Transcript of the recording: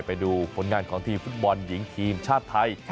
ไปดูผลงานของทีมฟุตบอลหญิงทีมชาติไทย